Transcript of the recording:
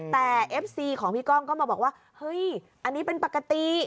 แต่เอฟซีของพี่ก้องก็มาบอกว่าเฮ้ยอันนี้เป็นปกติ